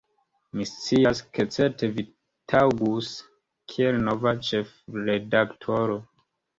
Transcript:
"Mi scias, ke certe vi taŭgus kiel nova ĉefredaktoro.